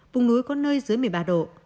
vùng núi có nơi dưới một mươi ba độ